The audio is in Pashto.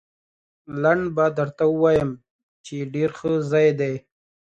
لنډ به درته ووایم، چې ډېر ښه ځای دی.